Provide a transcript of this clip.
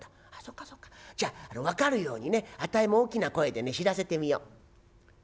じゃあ分かるようにねあたいも大きな声でね知らせてみよう。